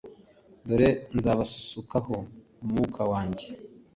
Dore nzabasukaho umwuka wanjye,